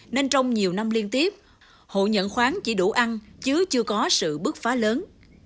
nên trong nhiều năm liên tiếp hộ nhận khoáng chỉ đủ ăn chứ chưa có sự bước phá lớn